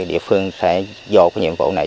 địa phương sẽ dồn cái nhiệm vụ này